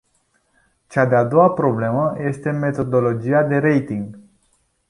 Cea de-a doua problemă este metodologia de rating.